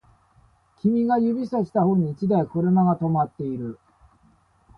君が指差した方に一台車が止まっている